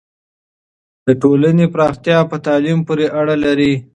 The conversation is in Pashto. د ټولنې پراختیا په تعلیم پورې اړه لري.